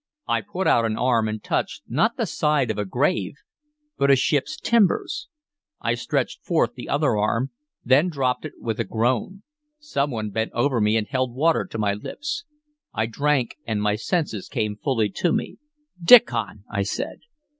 I put out an arm and touched, not the side of a grave, but a ship's timbers. I stretched forth the other arm, then dropped it with a groan. Some one bent over me and held water to my lips. I drank, and my senses came fully to me. "Diccon!" I said.